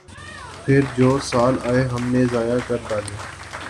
پھر جو سال آئے ہم نے ضائع کر ڈالے۔